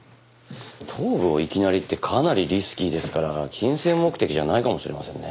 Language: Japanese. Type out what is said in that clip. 頭部をいきなりってかなりリスキーですから金銭目的じゃないかもしれませんね。